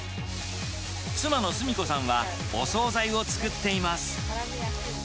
妻の澄子さんは、お総菜を作っています。